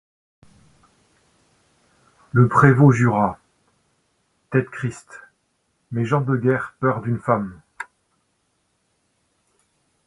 Le prévôt jura: — Tête-Christ! mes gens de guerre ! peur d’une femme !